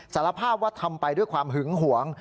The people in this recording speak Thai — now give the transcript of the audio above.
สารภาพว่าทำไปด้วยความหึงหวง